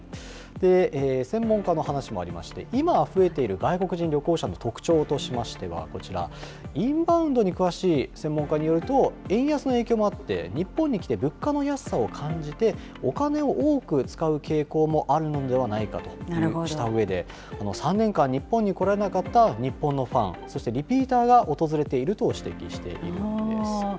専門家の話もありまして、今増えている外国人旅行者の特徴としましては、こちら、インバウンドに詳しい専門家によると、円安の影響もあって、日本に来て物価の安さを感じて、お金を多く使う傾向もあるのではないかとしたうえで、３年間、日本に来られなかった日本のファン、そしてリピーターが訪れていると指摘しているんです。